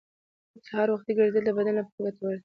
سهار وختي ګرځېدل د بدن لپاره ګټور دي